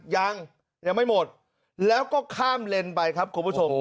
ยังยังไม่หมดแล้วก็ข้ามเลนไปครับคุณผู้ชม